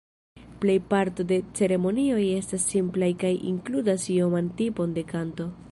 Plej parto de ceremonioj estas simplaj kaj inkludas ioman tipon de kanto.